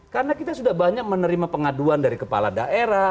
karena kita sudah banyak menerima pengaduan dari kepala daerah